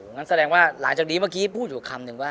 งั้นแสดงว่าหลังจากนี้เมื่อกี้พูดอยู่คำหนึ่งว่า